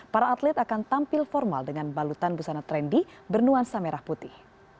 para atlet akan tampil formal dengan balutan busana trendy bernuansa merah putih